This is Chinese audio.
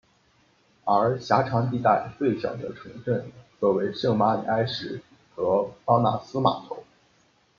而狭长地带最小的城镇则为圣玛里埃什和邦纳斯码头。